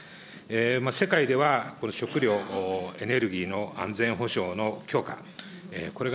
世界ではこの食料、エネルギーの安全保障の強化、これが